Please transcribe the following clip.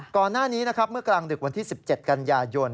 ก่อนหน้านี้นะครับเมื่อกลางดึกวันที่๑๗กันยายน